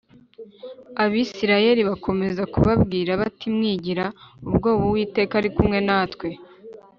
Abisirayeli bakomeza kubabwira batimwigira ubwoba uwiteka ari kumwe natwe